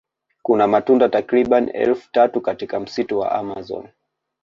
Kuna matunda takribani elfu tatu katika msitu wa amazon